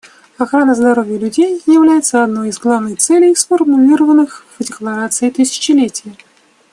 Охрана здоровья людей является одной из главных целей, сформулированных в Декларации тысячелетия.